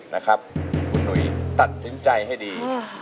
นะครับคุณหนุ่ยตัดสินใจให้ดี